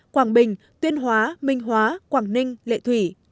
quảng bình tuyên hóa minh hóa quảng ninh lệ thủy